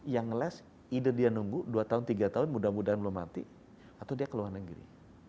yang ngeless ide dia nunggu dua tahun tiga tahun mudah mudahan belum mati atau dia ke luar negeri